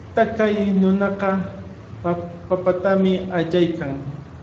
Taqay nunaqa papatami allaykan.